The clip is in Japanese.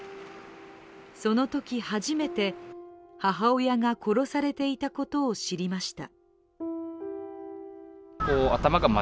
そのとき初めて母親が殺されていたことを知りました。